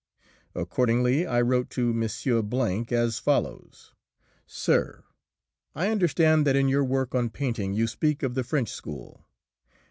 Accordingly, I wrote to this M. as follows: "Sir: I understand that in your work on painting you speak of the French school.